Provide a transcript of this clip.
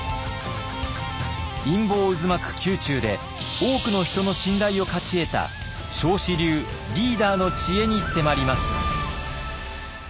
陰謀渦巻く宮中で多くの人の信頼を勝ち得た彰子流リーダーの知恵に迫ります。